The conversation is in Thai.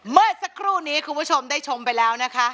เมื่อสักครู่นี้คุณผู้ชมได้ชมไปแล้วนะคะ